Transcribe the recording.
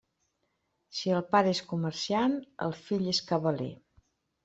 Si el pare és comerciant, el fill és cabaler.